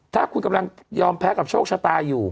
ถ้าคุณกำลังยอมแพ้กับโชคชะตาอยู่